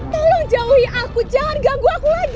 tolong jauhi aku jangan ganggu aku lagi